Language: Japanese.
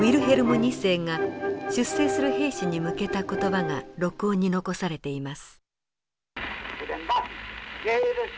２世が出征する兵士に向けた言葉が録音に残されています。